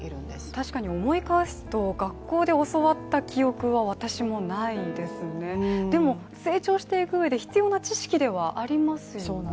確かに思い返すと、学校で教わった記憶は私もないですねでも成長していく上で必要な知識ではあります